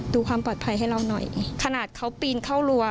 ดูความปลอดภัยให้เราหน่อยขนาดเขาปีนเข้ารัว